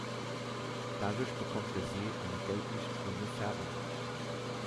Dadurch bekommt der See eine gelblich-grüne Färbung.